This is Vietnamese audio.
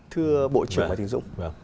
thưa bộ trưởng bà thịnh dũng